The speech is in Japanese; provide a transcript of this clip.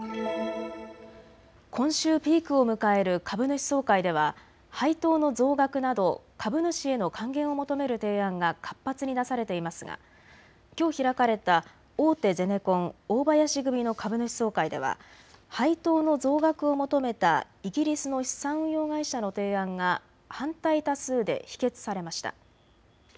今週ピークを迎える株主総会では配当の増額など株主への還元を求める提案が活発になされていますがきょう開かれた大手ゼネコン、大林組の株主総会では配当の増額を求めたイギリスの資産運用会社の提案が反対多数で否決されました。